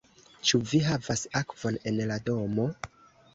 Ĉu vi havas akvon en la domo?